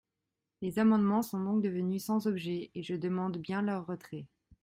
Les amendements sont donc devenus sans objet et je demande bien leur retrait.